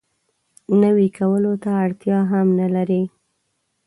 نوي کولو ته اړتیا هم نه لري.